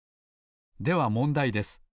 ではもんだいです。